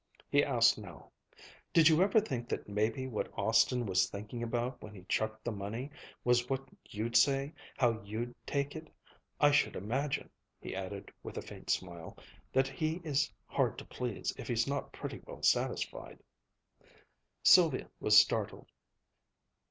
He asked now, "Did you ever think that maybe what Austin was thinking about when he chucked the money was what you'd say, how you'd take it? I should imagine," he added with a faint smile,' "that he is hard to please if he's not pretty well satisfied." Sylvia was startled.